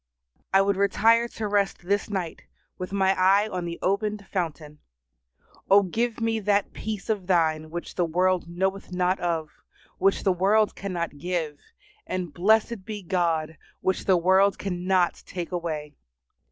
I would retire to rest this night with my eye on the opened fountain. O give me that peace of Thine which the world knoweth not of, which the world cannot give, and, blessed be God, which the world cannot take away!